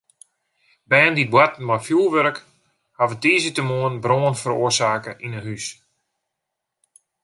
Bern dy't boarten mei fjurwurk hawwe tiisdeitemoarn brân feroarsake yn in hús.